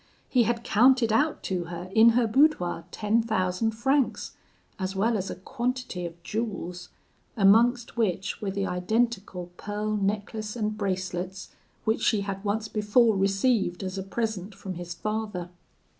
He had counted out to her in her boudoir ten thousand francs, as well as a quantity of jewels, amongst which were the identical pearl necklace and bracelets which she had once before received as a present from his father.